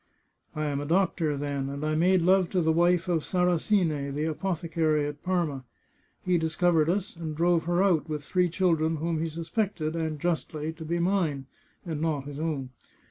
" I am a doctor, then, and I made love to the wife of Sarasine, the apothecary at Parma. He discovered us, and drove her out, with three children whom he suspected, and justly, to be mine, and not his own.